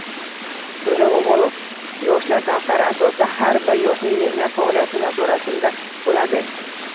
To‘ra Bobolov: “Yoshlar daftari” asosida har bir yoshning mehnat faoliyati nazoratimda bo‘ladi